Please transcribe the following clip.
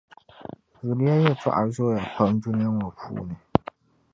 Zuliya yɛltͻŋa zooya pam dunia ŋͻ puuni .